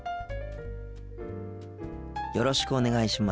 よろしくお願いします。